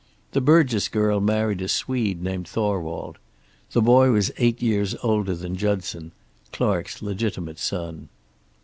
The Burgess girl married a Swede named Thorwald. The boy was eight years older than Judson, Clark's legitimate son.